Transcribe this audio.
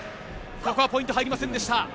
ここはポイント入りませんでした。